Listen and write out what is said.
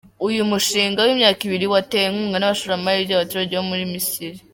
Uyu mushinga w’imyaka ibiri watewe inkunga n’abashoramari b’abaturage bo mu Misiri.